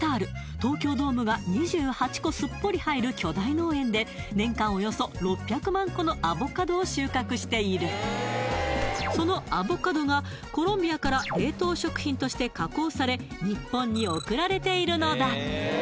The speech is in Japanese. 東京ドームが２８個すっぽり入る巨大農園で年間およそ６００万個のアボカドを収穫しているそのアボカドがコロンビアから冷凍食品として加工され日本に送られているのだ